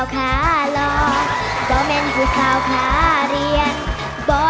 เวลาหนูเที่ยว